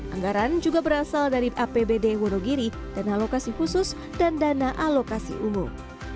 anggaran juga berasal dari apbd wonogiri dana alokasi khusus dan dana alokasi umum